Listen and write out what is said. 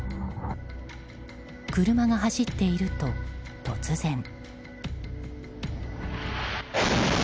車が走っていると、突然。